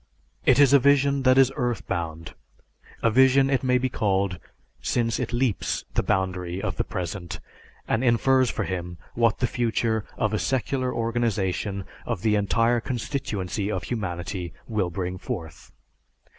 It is a vision that is earth bound; a vision it may be called, since it leaps the boundary of the present and infers for him what the future of a secular organization of the entire constituency of humanity will bring forth.